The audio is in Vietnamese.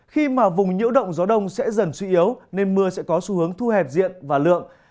khi mà vùng nhiễu động gió đông sẽ dần suy yếu nên mưa sẽ có xu hướng thu hẹp diện và lượng